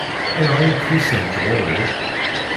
Ayɣer i d-tusamt ɣur-i?